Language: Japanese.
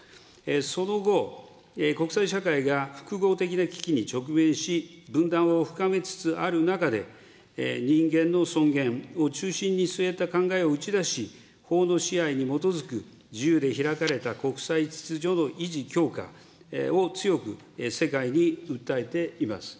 その後、国際社会が複合的な危機に直面し、分断を深めつつある中で、人間の尊厳を中心に据えた考えを打ち出し、法の支配に基づく、自由で開かれた国際秩序の維持、強化を強く世界に訴えています。